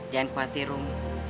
jangan khawatir rum